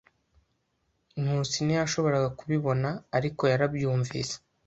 Nkusi ntiyashoboraga kubibona, ariko yarabyumvise.